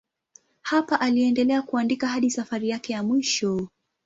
Hapa aliendelea kuandika hadi safari yake ya mwisho.